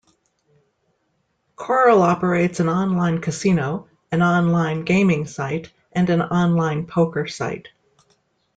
Coral operates an online casino, an online gaming site, and an online poker site.